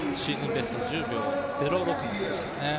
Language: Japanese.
ベスト１０秒０６の選手ですね。